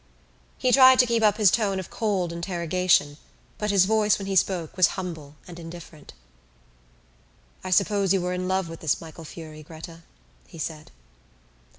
He tried to keep up his tone of cold interrogation, but his voice when he spoke was humble and indifferent. "I suppose you were in love with this Michael Furey, Gretta," he said.